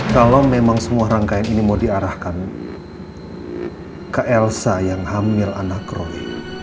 kalau memang semua rangkaian ini mau diarahkan ke elsa yang hamil anak rohi